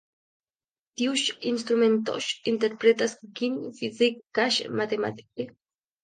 Tiuj instrumentoj interpretas ĝin fizike kaj matematike.